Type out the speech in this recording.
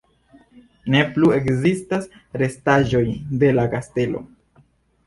Ne plu ekzistas restaĵoj de la kastelo.